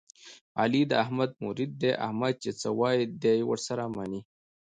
علي د احمد مرید دی، احمد چې څه وایي دی یې ور سره مني.